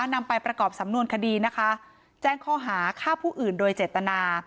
นำไปประกอบสำนวนคดีนะคะแจ้งข้อหาฆ่าผู้อื่นโดยเจตนา